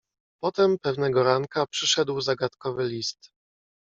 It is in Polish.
"Potem pewnego ranka przyszedł zagadkowy list."